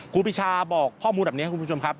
ครูปีชาบอกข้อมูลแบบนี้ครับคุณผู้ชมครับ